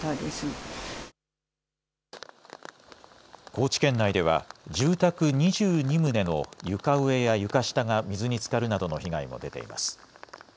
高知県内では住宅２２棟の床上や床下が水につかるなどの被害も出ています。